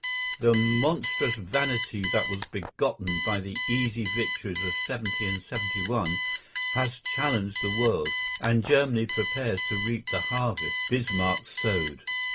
The monstrous vanity that was begotten by the easy victories of '70 and '71 has challenged the world, and Germany prepares to reap the harvest Bismarck sowed.